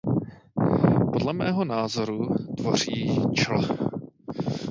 Podle mého názoru tvoří čl.